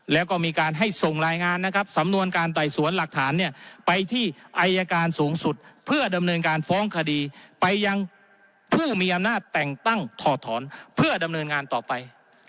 แล้วก็มีการให้ส่งรายงานนะครับสำนวนการไต่สวนหลักฐานเนี่ยไปที่อายการสูงสุดเพื่อดำเนินการฟ้องคดีไปยังผู้มีอำนาจแต่งตั้งถอดถอนเพื่อดำเนินงานต่อไป